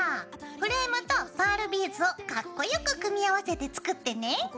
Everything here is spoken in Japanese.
フレームとパールビーズをカッコよく組み合わせて作ってね！